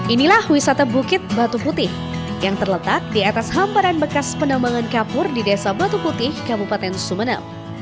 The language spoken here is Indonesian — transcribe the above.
inilah wisata bukit batu putih yang terletak di atas hamparan bekas penambangan kapur di desa batu putih kabupaten sumeneb